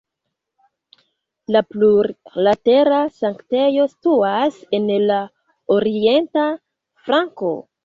La plurlatera sanktejo situas en la orienta flanko.